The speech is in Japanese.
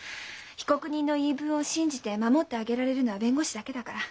被告人の言い分を信じて守ってあげられるのは弁護士だけだから。